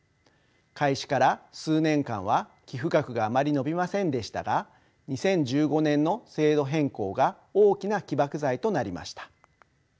開始から数年間は寄付額があまり伸びませんでしたが２０１５年の制度変更が大きな起爆剤となりました。